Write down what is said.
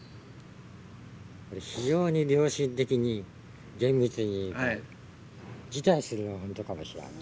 非常に良心的に厳密にいえば、辞退するのが本当かもしれない。